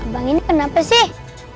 bang ini kenapa sih